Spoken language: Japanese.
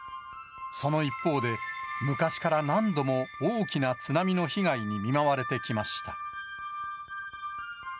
その一方で、昔から何度も大きな津波の被害に見舞われてきました。